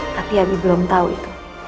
tapi abi belum tahu itu